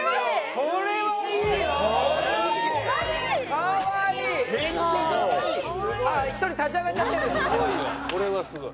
これはすごい。